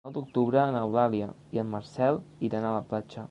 El nou d'octubre n'Eulàlia i en Marcel iran a la platja.